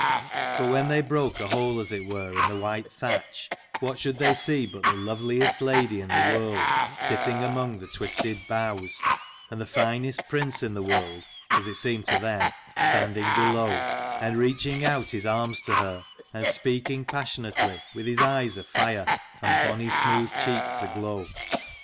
But when they broke a hole as it were in the white thatch, what should they see but the loveliest lady in the world sitting among the twisted boughs, and the finest prince in the world, as it seemed to them, standing below, and reaching out his arms to her, and speaking passionately, with his eyes afire and bonny smooth cheeks aglow.